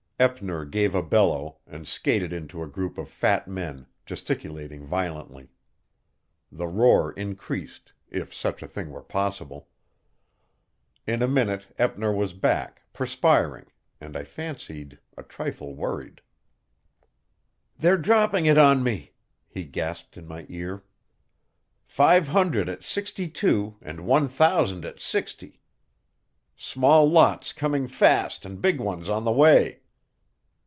Eppner gave a bellow, and skated into a group of fat men, gesticulating violently. The roar increased, if such a thing were possible. In a minute Eppner was back, perspiring, and I fancied a trifle worried. "They're dropping it on me," he gasped in my ear. "Five hundred at sixty two and one thousand at sixty. Small lots coming fast and big ones on the way."